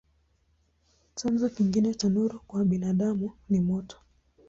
Chanzo kingine cha nuru kwa binadamu ni moto.